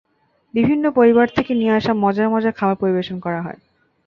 বিভিন্ন পরিবার থেকে নিয়ে আসা মজার মজার খাবার পরিবেশন করা হয়।